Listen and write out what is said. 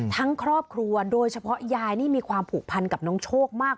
ทั้งครอบครัวโดยเฉพาะยายนี่มีความผูกพันกับน้องโชคมาก